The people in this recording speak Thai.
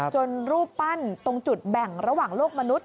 รูปปั้นตรงจุดแบ่งระหว่างโลกมนุษย